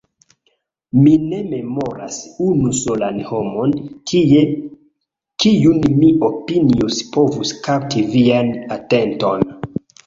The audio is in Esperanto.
Mi ne memoras unu solan homon tie, kiun mi opinius povus kapti vian atenton.